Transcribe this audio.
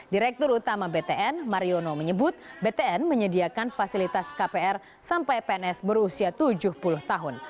direktur utama btn mariono menyebut btn menyediakan fasilitas kpr sampai pns berusia tujuh puluh tahun